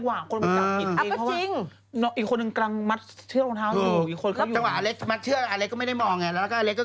หลายคนคิดว่าเขาบอกว่าจังหวะอีกคนกำลังจะออกเผื่อ